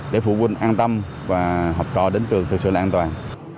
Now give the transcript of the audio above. để phụ huynh an tâm và học trò đến trường thực sự là an toàn